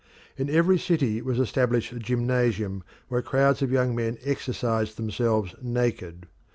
In every city was established a gymnasium where crowds of young men exercised themselves naked.